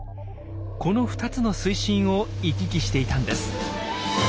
この２つの水深を行き来していたんです。